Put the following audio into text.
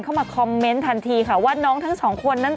เข้ามาคอมเมนต์ทันทีค่ะว่าน้องทั้งสองคนนั้น